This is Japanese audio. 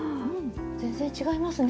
全然違いますね。